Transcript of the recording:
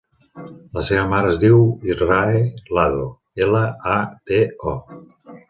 La meva mare es diu Israe Lado: ela, a, de, o.